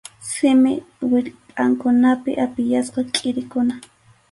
Simip wirpʼankunapi apiyasqa kʼirikuna.